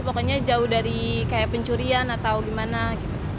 pokoknya jauh dari kayak pencurian atau gimana gitu